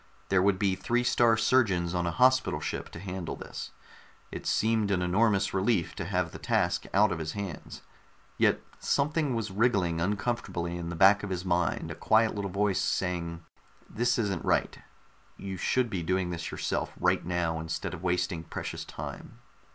There would be Three star Surgeons on a Hospital Ship to handle this; it seemed an enormous relief to have the task out of his hands. Yet something was wriggling uncomfortably in the back of his mind, a quiet little voice saying _this isn't right, you should be doing this yourself right now instead of wasting precious time....